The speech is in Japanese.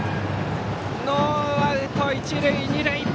ノーアウト、一塁二塁！